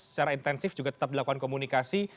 secara intensif juga tetap dilakukan komunikasi